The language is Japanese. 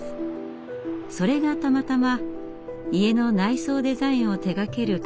それがたまたま家の内装デザインを手がける会社でした。